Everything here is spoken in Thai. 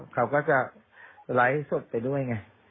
เขาก็จะไลฟ์สดไปด้วยไง